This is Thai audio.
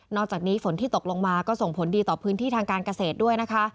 อกจากนี้ฝนที่ตกลงมาก็ส่งผลดีต่อพื้นที่ทางการเกษตรด้วยนะคะ